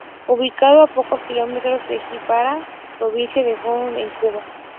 Ubicado a pocos kilómetros de Gibara, provincia de Holguín en Cuba.